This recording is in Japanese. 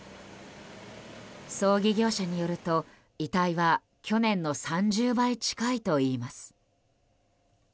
葬儀業者によると遺体は去年の３０倍近いといいます。